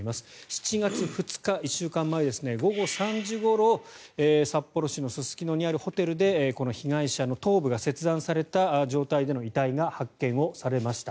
７月２日、１週間前午後３時ごろ札幌市のすすきのにあるホテルでこの被害者の、頭部が切断された状態での遺体が発見されました。